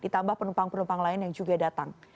ditambah penumpang penumpang lain yang juga datang